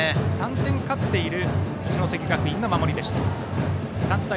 ３点勝っている一関学院の守りでした。